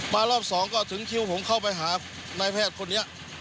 รอบสองก็ถึงคิวผมเข้าไปหานายแพทย์คนนี้